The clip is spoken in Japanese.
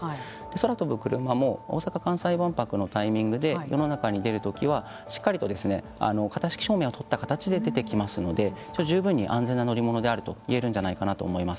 空飛ぶクルマも大阪・関西万博のタイミングで世の中に出る時はしっかりと型式証明を取った形で出てきますので十分に安全であると言えるかなと思います。